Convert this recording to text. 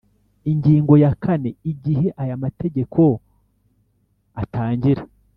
Ingingo ya kane Igihe aya mategeko atangira